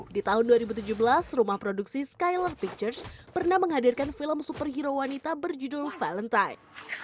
di tahun dua ribu tujuh belas rumah produksi skylor pictures pernah menghadirkan film superhero wanita berjudul valentine